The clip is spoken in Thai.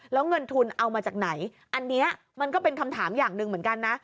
แล้วเงินทุนเอามาจากไหนอันนี้มันก็เป็นคำถามอย่างหนึ่งเหมือนกันนะ